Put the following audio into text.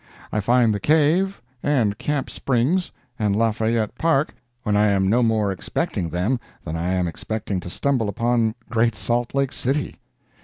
I find the Cave, and Camp Springs, and La fayette Park, when I am no more expecting them than I am expecting to stumble upon Great Salt Lake City.